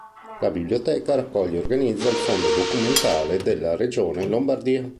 La biblioteca raccoglie e organizza il fondo documentale della Regione Lombardia.